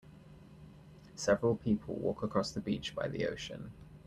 Several people walk across the beach by the ocean.